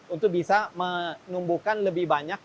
untuk bisa menumbuhkan lebih banyak